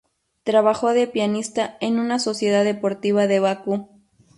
Trabajó de pianista en una sociedad deportiva de Bakú.